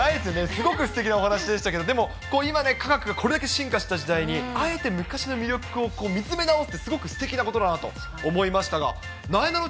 すごくすてきなお話でしたけれども、でも今ね、科学がこれだけ進化した時代に、あえて昔の魅力を見つめ直すってすごくすてきなことだなと思いましたが、なえなの